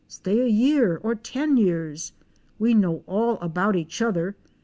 Stay a year — or ten years. We know all about each other.